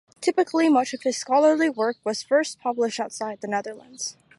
Typically, much of his scholarly work was first published outside the Netherlands.